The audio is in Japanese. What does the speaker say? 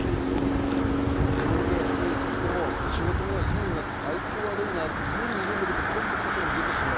病院が休み、そして仕事も休みになって、体調が悪い、家にいるけど外に出てしまう。